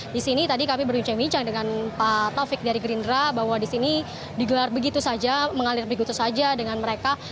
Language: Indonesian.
di sini tadi kami berbincang bincang dengan pak taufik dari gerindra bahwa di sini digelar begitu saja mengalir begitu saja dengan mereka